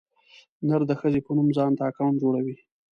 نر د ښځې په نوم ځانته اکاونټ جوړوي.